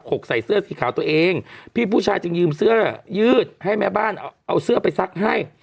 กใส่เสื้อสีขาวตัวเองพี่ผู้ชายจึงยืมเสื้อยืดให้แม่บ้านเอาเสื้อไปซักให้